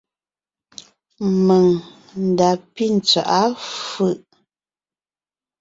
Mèŋ n da pí tswaʼá fʉ̀ʼ.